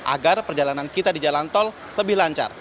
agar perjalanan kita di jalan tol lebih lancar